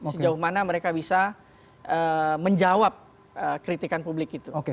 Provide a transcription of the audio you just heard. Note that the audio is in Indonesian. sejauh mana mereka bisa menjawab kritikan publik itu